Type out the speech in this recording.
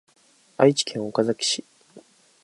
愛知県岡崎市